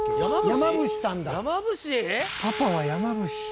山伏さんだ！